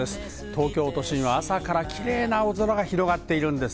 東京都心は朝から綺麗な青空が広がっています。